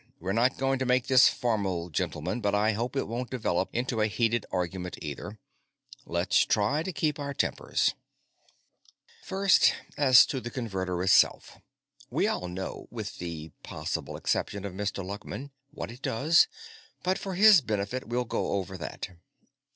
We're not going to make this formal, gentlemen, but I hope it won't develop into a heated argument, either. Let's try to keep our tempers." "First, as to the Converter itself. We all know, with the possible exception of Mr. Luckman, what it does, but for his benefit, we'll go over that.